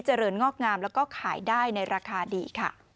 เจริญงอกงามและขายได้ในราคาดี